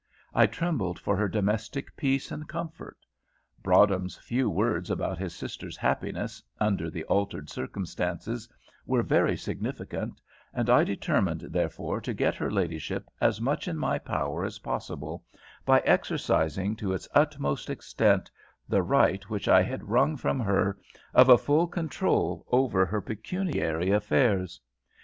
I trembled for her domestic peace and comfort. Broadhem's few words about his sister's happiness under the altered circumstances were very significant, and I determined therefore to get her ladyship as much in my power as possible, by exercising to its utmost extent the right which I had wrung from her of a full control over her pecuniary affairs.